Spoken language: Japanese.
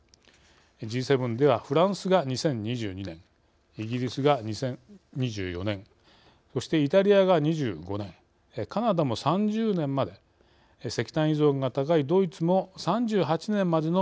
Ｇ７ではフランスが２０２２年イギリスが２０２４年そしてイタリアが２５年カナダも３０年まで石炭依存が高いドイツも３８年までの廃止を決めています。